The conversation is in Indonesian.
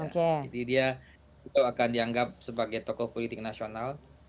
jadi dia akan dianggap sebagai tokoh politik nasional